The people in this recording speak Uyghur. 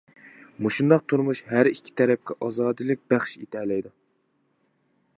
مۇشۇنداق تۇرمۇش ھەر ئىككى تەرەپكە ئازادىلىك بەخش ئېتەلەيدۇ.